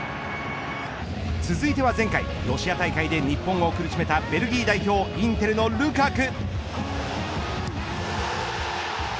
続いては前回ロシア大会で日本を苦しめたベルギー代表インテルのルカク。